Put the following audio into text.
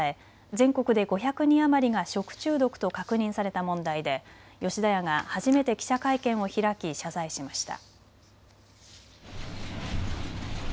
全国で５００人余りが食中毒と確認された問題で吉田屋が初めて記者会見を開き謝罪しました。